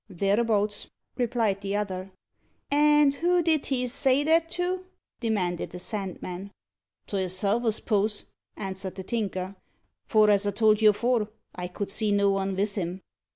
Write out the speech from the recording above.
"Thereabouts," replied the other. "And who did he say that to?" demanded the Sandman. "To hisself, I s'pose," answered the Tinker; "for, as I told you afore, I could see no one vith him."